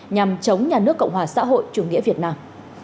nhằm chống nhà nước cộng hòa xã hội chủ nghĩa việt nam